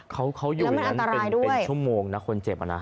เขาอยู่ในอันเป็นชั่วโมงนะคนเจ็บอ่ะนะ